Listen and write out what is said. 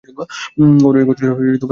ওর ঐ কষ্টটা আমার বুকে লাগছে।